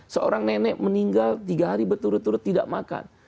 seorang nenek meninggal tiga hari berturut turut tidak makan